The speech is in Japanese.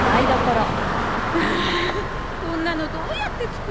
ハアこんなのどうやって作るのよ。